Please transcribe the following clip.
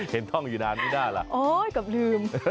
เห็นท่องอยู่นานไม่ได้ล่ะกลับลืม